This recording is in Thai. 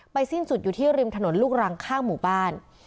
สิ้นสุดอยู่ที่ริมถนนลูกรังข้างหมู่บ้าน